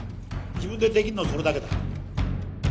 自分でできるのはそれだけだ。